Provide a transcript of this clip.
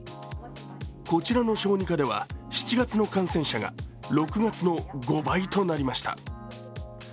こちらの小児科では７月の感染者が６月の５倍となりました。